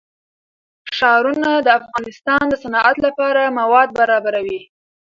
ښارونه د افغانستان د صنعت لپاره مواد برابروي.